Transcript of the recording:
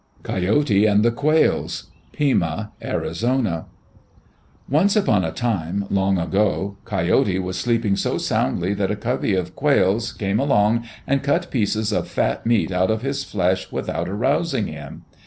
Coyote and the Quails Pima (Arizona) Once upon a time, long ago, Coyote was sleeping so soundly that a covey of quails came along and cut pieces of fat meat out of his flesh without arousing him.